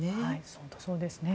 本当にそうですね。